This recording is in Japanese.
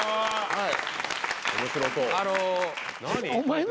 はい。